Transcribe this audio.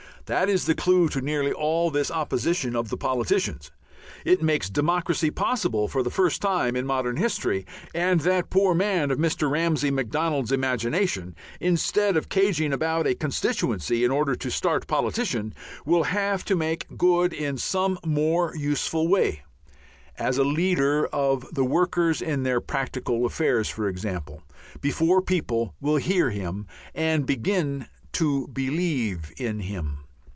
That is the clue to nearly all this opposition of the politicians. It makes democracy possible for the first time in modern history. And that poor man of Mr. Ramsay Macdonald's imagination, instead of cadging about a constituency in order to start politician, will have to make good in some more useful way as a leader of the workers in their practical affairs, for example before people will hear of him and begin to believe in him.